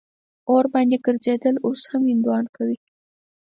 اور باندې ګرځېدل اوس هم هندوان کوي.